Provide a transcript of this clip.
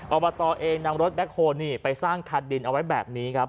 เอามาต่อเองนางรถแบคโฮนี่ไปสร้างคาดดินเอาไว้แบบนี้ครับ